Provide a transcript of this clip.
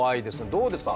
どうですか？